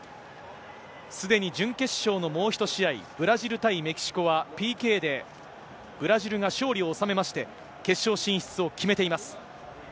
すでに準決勝のもう１試合、ブラジル対メキシコはＰＫで、ブラジルが勝利を収めまして、決勝進出を決めています。